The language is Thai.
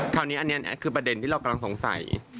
คราวนี้อันนี้คือประเด็นที่เรากำลังสงสัย